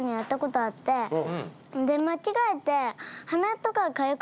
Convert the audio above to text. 間違えて。